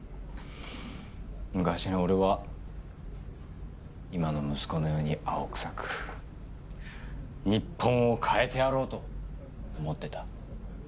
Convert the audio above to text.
昔の俺は今の息子のように青臭く日本を変えてやろうと思ってた。